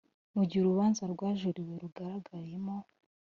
mu gihe urubanza rwajuririwe rugaragayemo